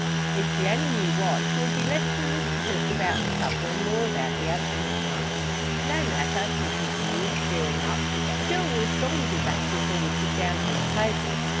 If she only knew what, she would be less solicitous about the supper, and more about the absent one. "No matter," she continues, cheering up, "the girl will surely be back before we sit down to the table.